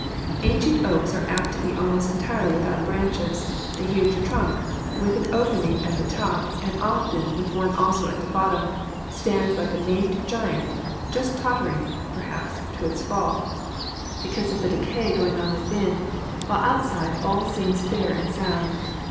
"Ancient oaks are apt to be almost entirely without branches; the huge trunk, with an opening at the top, and often with one also at the bottom, stands like a maimed giant, just tottering, perhaps, to its fall, because of the decay going on within, while outside all seems fair and sound.